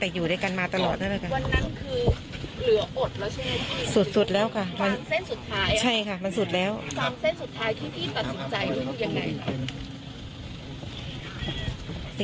แต่อยู่ด้วยกันมาตลอดนั่นแหละครับ